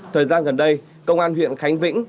thời gian gần đây công an huyện khánh vĩnh